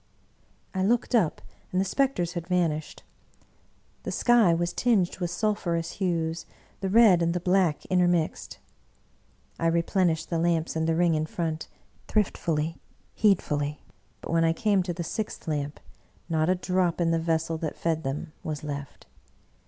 I looked up, and the specters had vanished. The sky was tinged with sulphurous hues; the red and the black intermixed. I replenished the lamps and the ring in front, thriftily, heedfully; but when I came to the sixth lamp, 91 English Mystery Stories not a drop in the vessel that fed them was left.